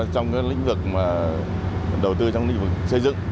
trong lĩnh vực đầu tư trong lĩnh vực xây dựng